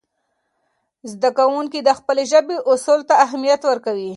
زده کوونکي د خپلې ژبې اصل ته اهمیت ورکوي.